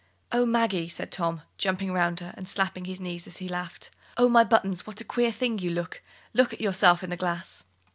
"Oh, Maggie," said Tom, jumping round her and slapping his knees as he laughed; "oh, my buttons, what a queer thing you look! Look at yourself in the glass."